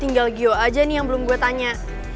tinggal gio aja nih yang belum gue tanya